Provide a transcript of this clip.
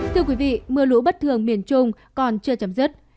thưa quý vị mưa lũ bất thường miền trung còn chưa chấm dứt